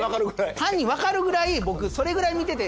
犯人わかるくらい僕それくらい見てて。